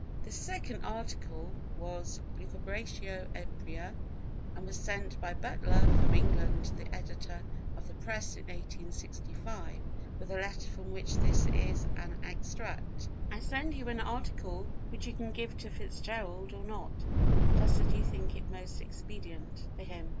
This second article was Lucubratio Ebria, and was sent by Butler from England to the editor of the Press in 1865, with a letter from which this is an extract: "I send you an article which you can give to FitzGerald or not, just as you think it most expedient—for him.